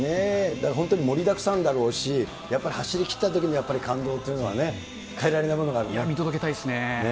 だから本当に盛りだくさんだろうし、走り切ったときのやっぱり感動というのは、代えられない見届けたいですね。